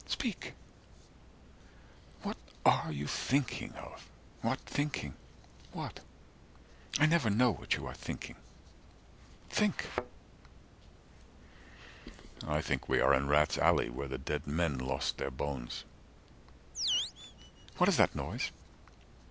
Speak. What are you thinking of? What thinking? What? I never know what you are thinking. Think." I think we are in rats' alley 115 Where the dead men lost their bones. "What is that noise?"